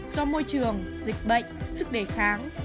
do môi trường dịch bệnh sức đề kháng